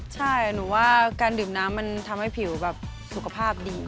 ใช่หนูว่าการดื่มน้ำมันทำให้ผิวแบบสุขภาพดี